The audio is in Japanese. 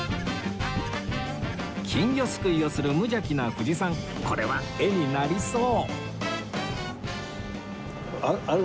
金魚すくいをする無邪気な藤さんこれは絵になりそう